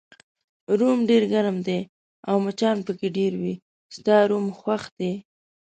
روم ډېر ګرم دی او مچان پکې ډېر وي، ستا روم خوښ دی؟